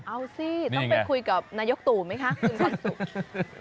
เอาสิต้องไปคุยกับนายกตู่ไหมคะคุณวันศุกร์